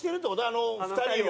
あの２人を。